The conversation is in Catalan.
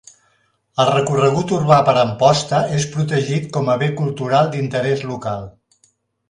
El recorregut urbà per Amposta és protegit com a bé cultural d'interès local.